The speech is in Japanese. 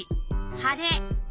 晴れ。